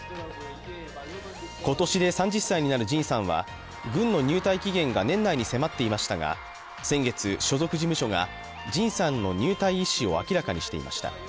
今年で３０歳になるＪＩＮさんは軍の入隊期限が年内に迫っていましたが先月、所属事務所がＪＩＮさんの入隊意思を明らかにしていました。